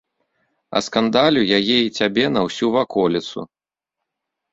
Аскандалю яе і цябе на ўсю ваколіцу.